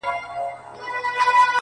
ولي مي هره شېبه هر ساعت پر اور کړوې.